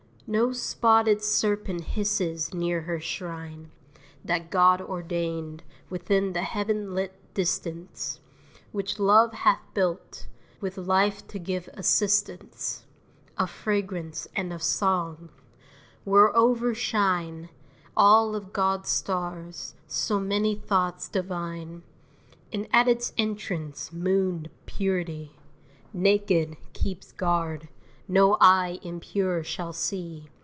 III No spotted serpent hisses near her shrine, That God ordained, within the heaven lit distance, Which love hath built, with life to give assistance, Of fragrance and of song; whereover shine All of God's stars, so many thoughts divine: And at its entrance moonéd purity, Naked, keeps guard, no eye impure shall see!